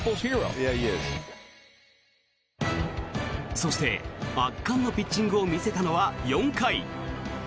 そして、圧巻のピッチングを見せたのは４回。